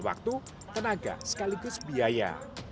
waktu tenaga sekaligus biaya